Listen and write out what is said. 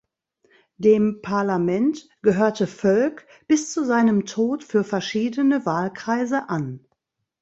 Dem Parlament gehörte Völk bis zu seinem Tod für verschiedene Wahlkreise an.